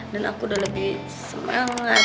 dan aku udah lebih semangat